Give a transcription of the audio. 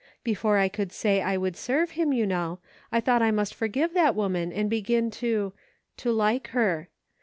Before I could say I would serve him, you know, I thought I must forgive that woman and begin to — to like her.